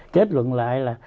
chết luận lại là